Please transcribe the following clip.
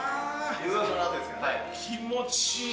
気持ちいいよ。